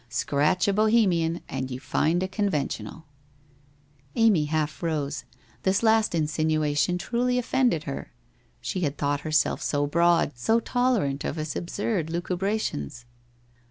Scratch a Bohemian and you find a conventional !' Amy half rose. This last insinuation truly offended her. She had thought herself so broad, so tolerant of his absurd lucubrations.